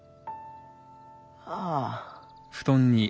ああ。